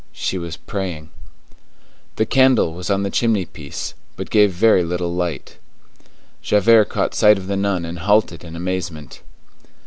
She was praying. The candle was on the chimney piece, and gave but very little light. Javert caught sight of the nun and halted in amazement.